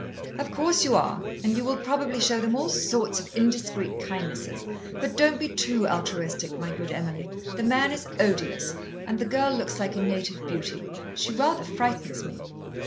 "Of course you are. And you will probably show them all sorts of indiscreet kindnesses, but don't be too altruistic, my good Emily. The man is odious, and the girl looks like a native beauty. She rather frightens me."